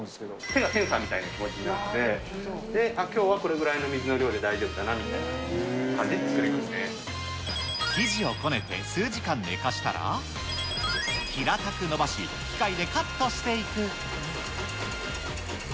手がセンサーのような気持ちになって、きょうはこれぐらいの水の量で大丈夫かなみたいな感じ生地をこねて数時間寝かしたら、平たくのばし、機械でカットしていく。